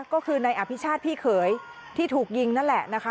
ก็คือนายอภิชาติพี่เขยที่ถูกยิงนั่นแหละนะคะ